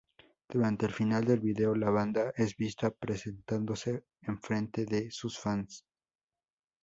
Durante el final del vídeo, la banda es vista presentándose enfrente de sus fanes.